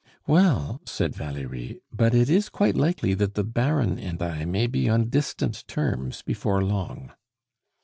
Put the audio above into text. "Well," said Valerie, "but it is quite likely that the Baron and I may be on distant terms before long."